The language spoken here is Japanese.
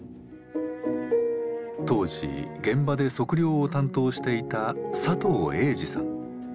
当時現場で測量を担当していた佐藤栄治さん。